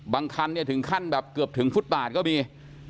บางคันถึงขั้นแบบเกือบถึงฟุตบาทก็มี